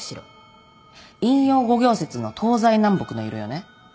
陰陽五行説の東西南北の色よね。